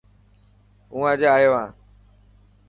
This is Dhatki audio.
هو اڄ ايو هان.